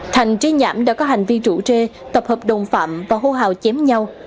thành trí nhãm đã có hành vi rủ rê tập hợp đồng phạm và hô hào chém nhau